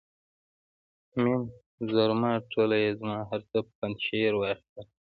میم زرما ټوله یې زما، هر څه پنجشیر واخیستل.